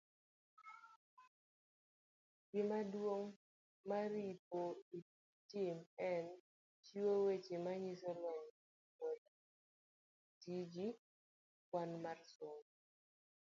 Gimaduong ' maoripo itim en chiwo weche manyiso lony maingo, tiji, gi kwan mar sombi.